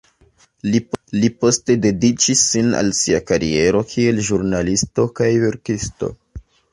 Li poste dediĉis sin al sia kariero kiel ĵurnalisto kaj verkisto.